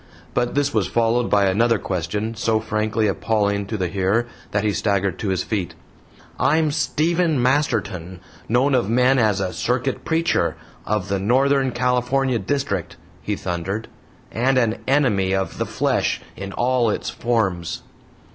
But this was followed by another question so frankly appalling to the hearer that he staggered to his feet. "I'm Stephen Masterton known of men as a circuit preacher, of the Northern California district," he thundered "and an enemy of the flesh in all its forms."